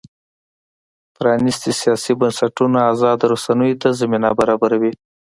پرانیستي سیاسي بنسټونه ازادو رسنیو ته زمینه برابروي.